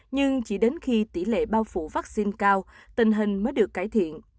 nhưng chỉ đến khi tỷ lệ bao phủ vaccine cao tình hình mới được cải thiện